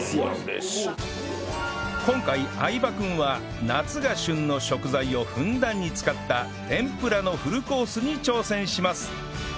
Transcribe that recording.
今回相葉君は夏が旬の食材をふんだんに使った天ぷらのフルコースに挑戦します